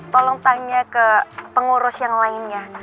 tolong tanya ke pengurus yang lainnya